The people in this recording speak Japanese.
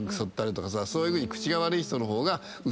そういうふうに口が悪い人の方がウソつかない。